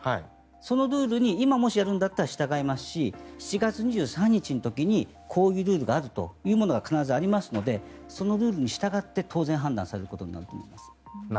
そのルールに今もあるなら従いますし７月２３日の時にこういうルールがあるというものが必ずありますのでそのルールに従って当然判断されると思います。